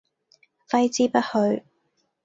揮之不去